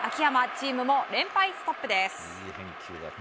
チームも連敗ストップです。